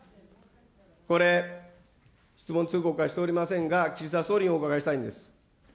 これ、質問通告はしておりませんが、岸田総理にお伺いしたいんです。